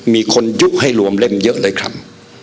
มีคนยุบให้รวมเล่มเยอะเลยครับ